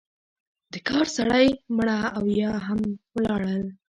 د کار سړی مړه او یا هم ولاړل.